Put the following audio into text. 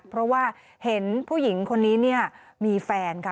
เพราะว่าเห็นผู้หญิงคนนี้เนี่ยมีแฟนค่ะ